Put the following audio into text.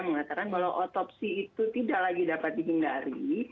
mengatakan kalau otopsi itu tidak lagi dapat dibingkari